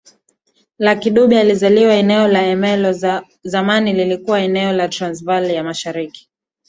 Lucky Dube alizaliwa eneo la Ermelo zamani lilikuwa eneo la Transvaal ya Mashariki